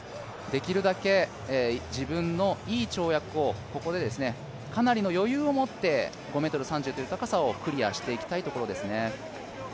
できるだけ自分のいい跳躍をここでかなりの余裕を持って５ｍ３０という高さをクリアしていきたいところですね。